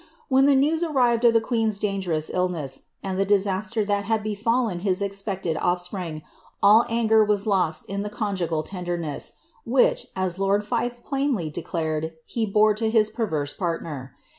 When the news arrived of the queen's dangerous illness, and the disaster tliat had befallen his expected of&pring, all anger was lost in the conjugal tenderness which, as lord Fife plainly declared, he bore to his perverse partner.